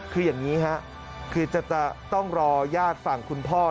คืออย่างนี้ครับคือจะต้องรอญาติฝั่งคุณพ่อ